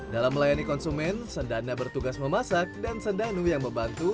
dalam melayani konsumen sendana bertugas memasak dan sendanu yang membantu